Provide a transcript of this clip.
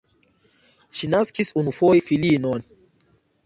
Ŝi naskis unufoje filinon.